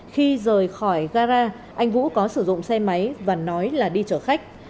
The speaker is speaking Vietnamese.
khi rời khỏi gara anh vũ có sử dụng xe máy và nói là đi chở khách